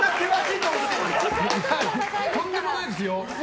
とんでもないですよ。